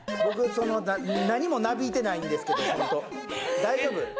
僕その何もなびいてないんですけどホント大丈夫？